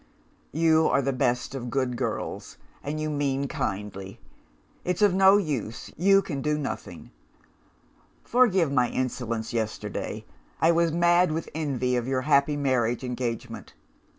"You are the best of good girls, and you mean kindly. It's of no use you can do nothing. Forgive my insolence yesterday; I was mad with envy of your happy marriage engagement.